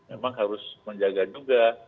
memang harus menjaga juga